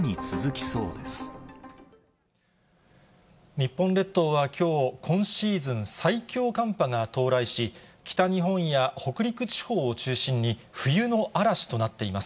日本列島はきょう、今シーズン最強寒波が到来し、北日本や北陸地方を中心に冬の嵐となっています。